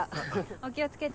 お気を付けて。